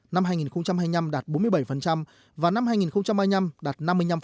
năm hai nghìn hai mươi năm đạt bốn mươi bảy và năm hai nghìn hai mươi năm đạt năm mươi năm